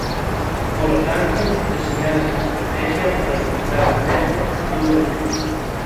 Polo tanto, deseñada esta estratexia, planificada a mesma, dobre obxectivo.